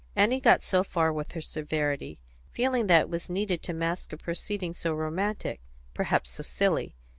Annie got so far with her severity, feeling that it was needed to mask a proceeding so romantic, perhaps so silly.